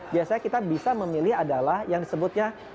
biasanya kita bisa memilih adalah yang disebutnya